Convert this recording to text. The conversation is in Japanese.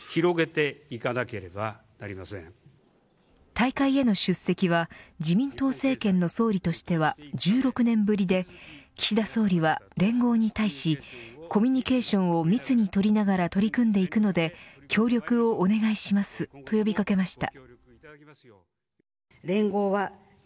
大会への出席は自民党政権の総理としては１６年ぶりで岸田総理は連合に対しコミュニケーションを密に取りながら取り組んでいくので協力をお願いしますと呼び掛けました。